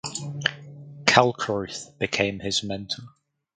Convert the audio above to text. Kalckreuth became his mentor.